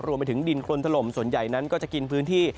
รวมไปถึงดินคนถล่มส่วนใหญ่นั้นก็จะกินพื้นที่